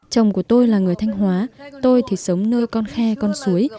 chồng của tôi là người thanh hóa tôi thì sống nơi con khe con suối